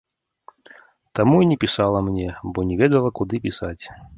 Таму і не пісала мне, бо не ведала, куды пісаць.